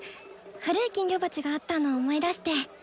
古い金魚鉢があったの思い出して。